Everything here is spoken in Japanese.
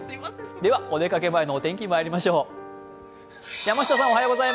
ではお出かけ前のお天気にまいりましょう。